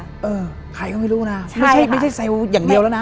เออใครก็ไม่รู้นะไม่ใช่ไม่ใช่เซลล์อย่างเดียวแล้วนะ